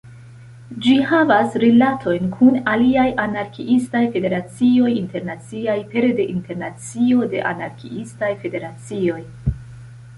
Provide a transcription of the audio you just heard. Ĝi havas rilatojn kun aliaj anarkiistaj federacioj internaciaj pere de Internacio de Anarkiistaj Federacioj.